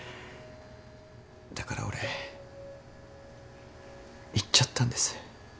だから俺言っちゃったんです。